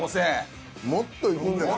もっといくんじゃない。